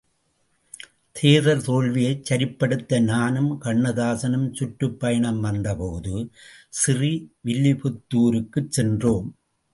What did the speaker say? தேர்தல் தோல்வியைச் சரிப்படுத்த நானும் கண்ணதாசனும் சுற்றுப் பயணம் வந்தபோது ஸ்ரீவில்லிபுத்துருக்குச் சென்றோம்.